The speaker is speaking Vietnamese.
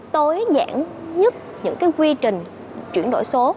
tối giản nhất những quy trình chuyển đổi số